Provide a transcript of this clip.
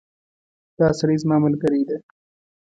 دا سړی زما ملګری ده